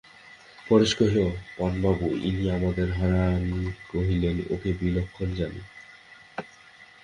পরেশ কহিল, পানুবাবু, ইনি আমাদের– হারান কহিলেন, ওঁকে বিলক্ষণ জানি।